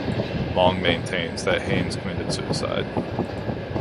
Long maintains that Haynes committed suicide.